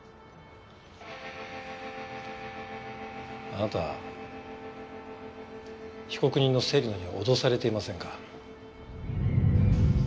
あなた被告人の芹野に脅されていませんか？